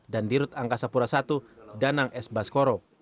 dan dirut angka sapura i danang s baskoro